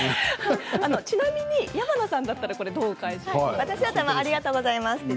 ちなみに山名さんだったらどう返しますか。